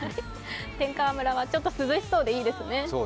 天川村はちょっと涼しそうでいいですね。